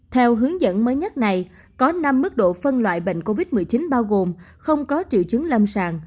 theo hướng dẫn mới nhất này có năm mức độ phân loại bệnh covid một mươi chín bao gồm không có triệu chứng lâm sàng